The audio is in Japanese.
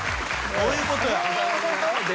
どういうこと？